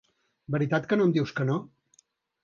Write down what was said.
- Veritat que no em dius que no?